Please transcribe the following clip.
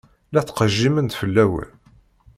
La ttqejjiment fell-awen.